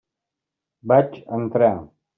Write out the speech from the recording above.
Vaig entrar.